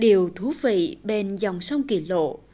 điều thú vị bên dòng sông kỳ lộ